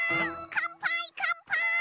かんぱいかんぱい！